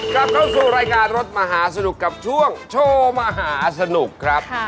กลับเข้าสู่รายการรถมหาสนุกกับช่วงโชว์มหาสนุกครับ